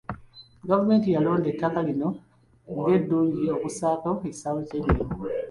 Gavumenti yalonda ettaka lino ng'eddungi okussaako ekisaawe ky'ennyonyi.